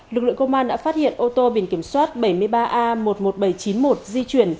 lực lượng công an đã phát hiện ô tô biển kiểm soát bảy mươi ba a một mươi một nghìn bảy trăm chín mươi một di chuyển